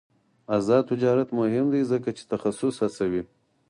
آزاد تجارت مهم دی ځکه چې تخصص هڅوي.